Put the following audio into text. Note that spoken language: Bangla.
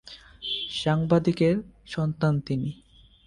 সাংবাদিকের সন্তান তিনি।